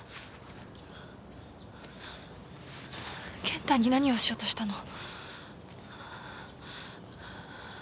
健太に何をしようとしたの？